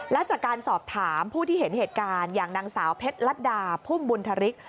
และจากการสอบถามผู้ที่เห็นเหตุการณ์อย่างนางสาวเพชรลัดดาพุ่มบุญธริก